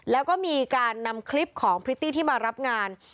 แล้วก็มีการนำคลิปของพริตตี้ที่มารับงาน